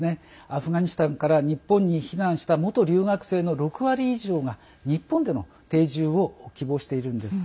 アフガニスタンから日本に避難した元留学生の６割以上が日本での定住を希望しているんです。